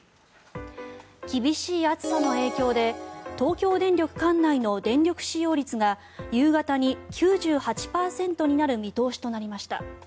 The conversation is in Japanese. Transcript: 厳しい暑さの影響で東京電力管内の電力使用率が夕方に９８％になる見通しなりました。